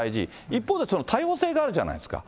一方で、多様性があるじゃないですか。